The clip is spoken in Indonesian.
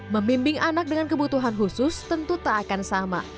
membimbing anak dengan kebutuhan khusus tentu tak akan sama